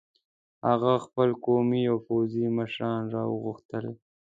هغه خپل قومي او پوځي مشران را وغوښتل.